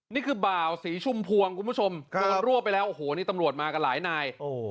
บ่าวสีชุมพวงคุณผู้ชมโดนรวบไปแล้วโอ้โหนี่ตำรวจมากันหลายนาย